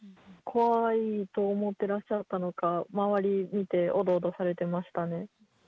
怖いと思ってらっしゃったのか、周り見て、おどおどされてました